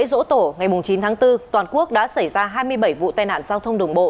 dỗ tổ ngày chín tháng bốn toàn quốc đã xảy ra hai mươi bảy vụ tai nạn giao thông đường bộ